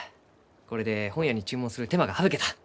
これで本屋に注文する手間が省けた。